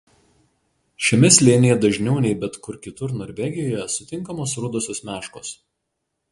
Šiame slėnyje dažniau nei bet kur kitur Norvegijoje sutinkamos rudosios meškos.